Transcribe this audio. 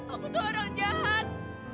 aku tuh orang jahat